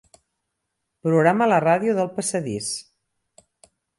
Programa la ràdio del passadís.